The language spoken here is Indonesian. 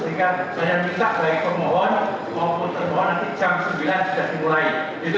sehingga saya minta baik termohon maupun termohon nanti jam sembilan sudah dimulai